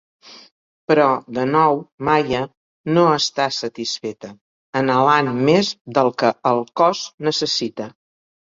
Però, de nou, Maya no està satisfeta, anhelant més del que el cos necessita.